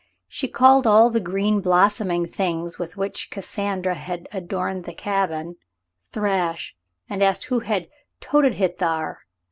She called all the green blossoming things with which Cassandra had adorned the cabin, "trash," and asked who had "toted hit thar."